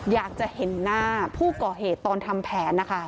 อยากจะเห็นหน้าผู้ก่อเหตุตอนทำแผนนะคะ